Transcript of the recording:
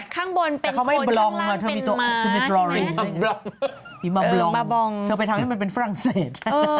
ข้างบนเป็นโคตรข้างล่างเป็นหมาแต่เขาไม่บลองเขาไปทำให้มันเป็นฟรั่งเศส